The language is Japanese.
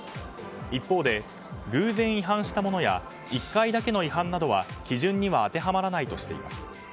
一方で、偶然違反したものや１回だけの違反などは基準には当てはまらないとしています。